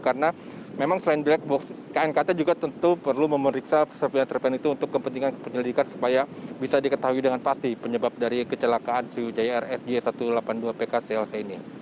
knkt juga tentu perlu memeriksa serpihan serpihan itu untuk kepentingan penyelidikan supaya bisa diketahui dengan pasti penyebab dari kecelakaan si ujr sj satu ratus delapan puluh dua pk clc ini